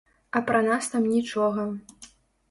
А пра нас там нічога.